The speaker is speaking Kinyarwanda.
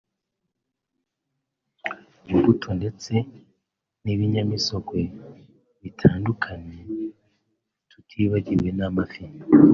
imbuto ndetse n’ibinyamisogwe bitandukannye tutibagiwe n’amafi